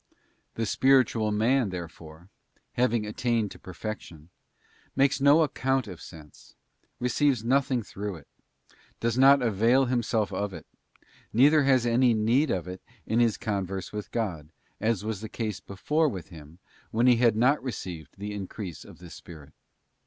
The spiritual man, therefore, having attained to perfection, makes no account of sense, receives nothing through it, does not avail himself of it, neither has he any need of it in his converse with God, as was the case before with him when he had not received the increase of the Spirit.